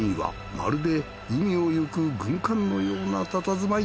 まるで海をゆく軍艦のような佇まい。